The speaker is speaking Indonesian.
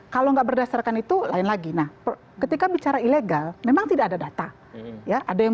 kalau nggak berdasarkan itu lain lagi nah ketika bicara ilegal memang tidak ada data ya ada yang